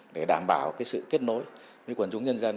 để đảm bảo sự kết nối với quần chúng nhân dân